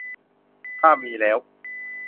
ถ้ามีแล้ว